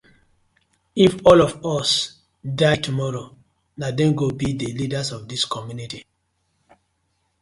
If all of us die tomorrow, na dem go bi the leaders of dis community.